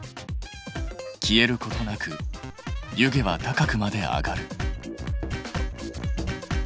消えることなく湯気は高くまで上がる。